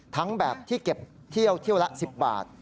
ทั้งแบบที่เก็บเที่ยวละ๑๐บาท